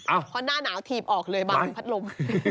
อ้าวไหวควรหน้าหนาวถีบออกเลยบางคนพัดลม